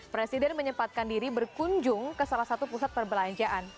presiden menyempatkan diri berkunjung ke salah satu pusat perbelanjaan